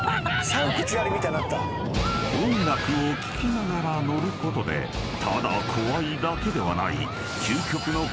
［音楽を聴きながら乗ることでただ怖いだけではない］